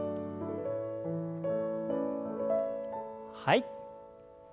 はい。